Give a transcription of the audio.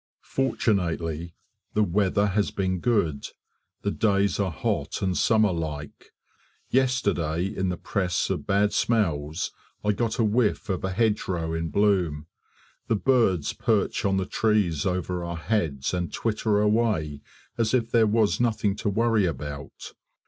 Fortunately the weather has been good; the days are hot and summer like. Yesterday in the press of bad smells I got a whiff of a hedgerow in bloom. The birds perch on the trees over our heads and twitter away as if there was nothing to worry about.